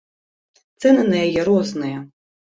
Цэны на яе розныя.